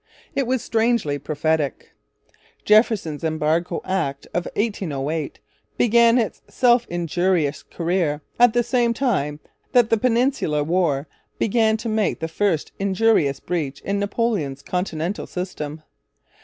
It was strangely prophetic. Jefferson's Embargo Act of 1808 began its self injurious career at the same time that the Peninsular War began to make the first injurious breach in Napoleon's Continental System.